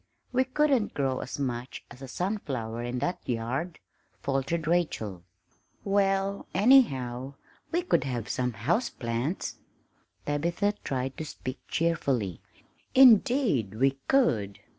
"We couldn't grow as much as a sunflower in that yard," faltered Rachel. "Well, anyhow, we could have some houseplants!" Tabitha tried to speak cheerfully. "Indeed we could!"